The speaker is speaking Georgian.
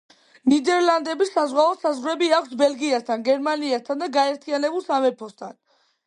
ნიდერლანდებს საზღვაო საზღვრები აქვს ბელგიასთან, გერმანიასთან და გაერთიანებულ სამეფოსთან.